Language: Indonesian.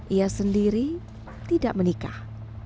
ia sendiri tidak menikah